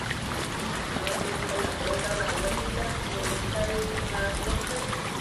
حکمران چې کله دا ډله ولیده نو ورته یې غږ وکړ.